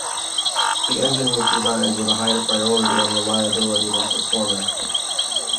The engine was designed with a higher priority on reliability than performance.